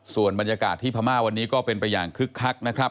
ส่วนบรรยากาศที่พม่าวันนี้ก็เป็นไปอย่างคึกคักนะครับ